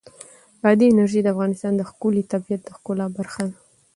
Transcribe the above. بادي انرژي د افغانستان د ښکلي طبیعت د ښکلا برخه ده.